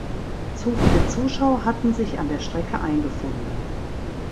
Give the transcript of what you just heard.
Zu viele Zuschauer hatten sich an der Strecke eingefunden.